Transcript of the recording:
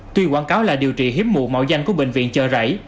tuy quảng cáo là điều trị hiếm mụ mạo danh của bệnh viện chợ rẫy